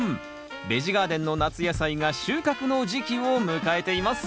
ベジ・ガーデンの夏野菜が収穫の時期を迎えています。